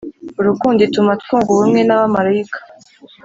urukundo ituma twunga ubumwe n’abamalayika ,